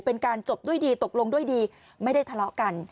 เป็นการจบด้วยดีตกลงด้วยดีไม่ได้ทะเลาะกัน